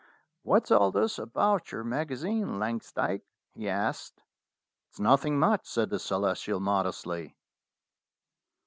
"What's all this about your magazine, Langsdyke?" he asked. "It's nothing much," said the Celestial modestly.